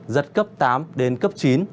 giật cấp tám đến cấp bảy